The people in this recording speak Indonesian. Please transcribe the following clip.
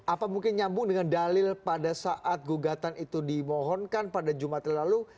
apa mungkin nyambung dengan dalil pada saat gugatan itu dimohonkan pada jumat yang lalu